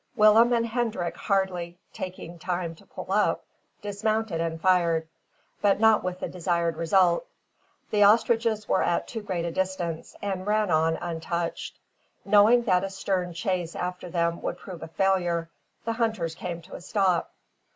Willem and Hendrik hardly taking time to pull up, dismounted and fired. But not with the desired result. The ostriches were at too great a distance, and ran on untouched. Knowing that a stern chase after them would prove a failure, the hunters came to a stop.